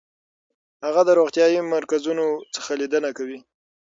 هغه د روغتیايي مرکزونو څخه لیدنه کوي.